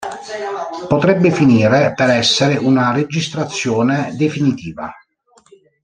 Potrebbe finire per essere una registrazione definitiva.